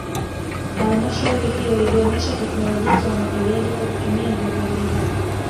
Halmashauri hiyo ilionesha teknolojia za umwagiliaji kwa kutumia miundombinu